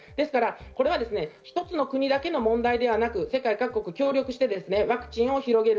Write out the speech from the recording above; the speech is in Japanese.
一つの国だけの問題ではなく、世界各国協力してワクチンを広げる。